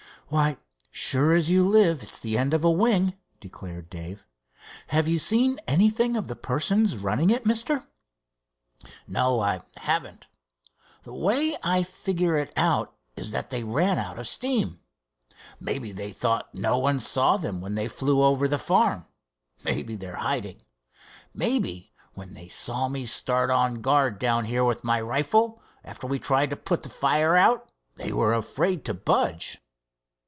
"Why, sure as you live it's the end of a wing," declared Dave. "Have you seen anything of the persons running it, mister?" "No, I haven't. The way I figure it out is that they ran out of steam. Mebbe they thought no one saw them when they flew over the farm. Mebbe they're hiding. Mebbe, when they saw me start on guard down here with my rifle, after we'd tried to put the fire out, they were afraid to budge."